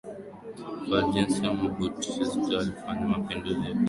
Fulgencio Batista alifanya mapinduzi ya kijeshi yaliyomgoa madarakani rais wa Cuba Carlos Prío